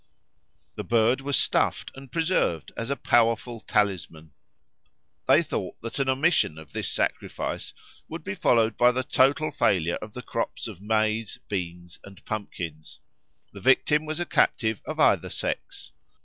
The bird was stuffed and preserved as a powerful talisman. They thought that an omission of this sacrifice would be followed by the total failure of the crops of maize, beans, and pumpkins. The victim was a captive of either sex.